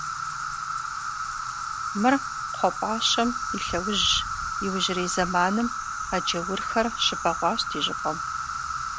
— Мыр кхъуэпӀащэм и лъэужьщ, иужьрей зэманым а джаурхэр щыбэгъуащ ди щӀыпӀэм.